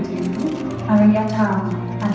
สวัสดีครับทุกคน